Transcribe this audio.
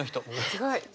すごい。